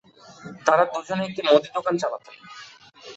তারা দুজনে একটি মুদি দোকান চালাতেন।